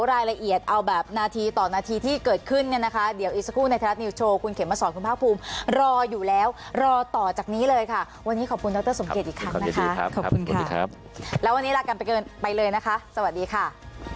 เราวันนี้ลากันไปกันไปเลยนะคะสวัสดีค่ะ